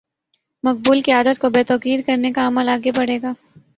مقبول قیادت کو بے توقیر کرنے کا عمل آگے بڑھے گا۔